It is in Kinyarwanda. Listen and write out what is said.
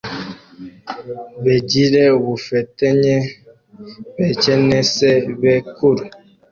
begire ubufetenye bekenesebekuru;